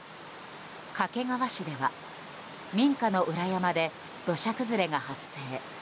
掛川市では民家の裏山で土砂崩れが発生。